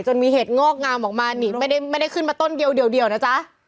มีเหตุงอกงามออกมานี่ไม่ได้ขึ้นมาต้นเดียวนะจ๊ะ